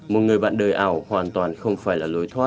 một người bạn đời ảo hoàn toàn không phải là một người bạn đời ảo